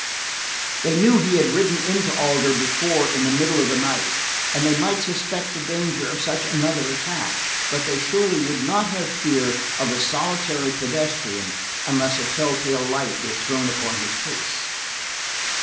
They knew he had ridden into Alder before in the middle of the night and they might suspect the danger of such another attack, but they surely would not have fear of a solitary pedestrian unless a telltale light were thrown upon his face.